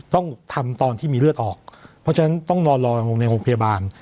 ต้องทำตอนที่มีเลือดออกเพราะฉะนั้นต้องนอนรอลงในโรงพยาบาล